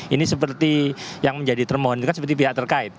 ini seperti yang menjadi termohon itu kan seperti pihak terkait